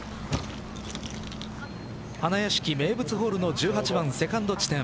花屋敷名物ホールの１８番、セカンド地点。